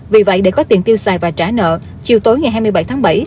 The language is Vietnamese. vì vậy để có tiền tiêu xài và trả nợ chiều tối ngày hai mươi bảy tháng bảy